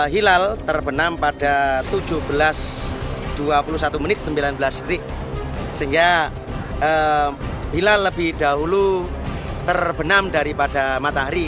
hilal terbenam pada tujuh belas dua puluh satu menit sembilan belas detik sehingga hilal lebih dahulu terbenam daripada matahari